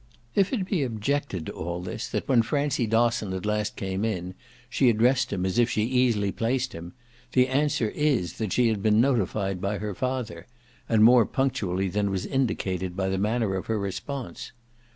If it be objected to all this that when Francie Dosson at last came in she addressed him as if she easily placed him, the answer is that she had been notified by her father and more punctually than was indicated by the manner of her response.